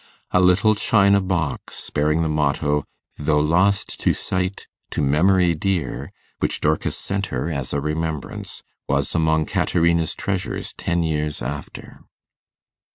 A little china box, bearing the motto 'Though lost to sight, to memory dear', which Dorcas sent her as a remembrance, was among Caterina's treasures ten years after.